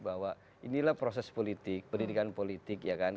bahwa inilah proses politik pendidikan politik ya kan